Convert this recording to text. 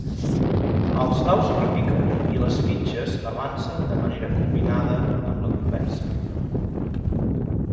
Els daus repiquen i les fitxes avancen de manera combinada amb la conversa.